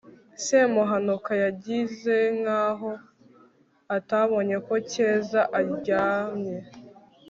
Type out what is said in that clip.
semuhanuka yigize nkaho atabonye ko keza aryamye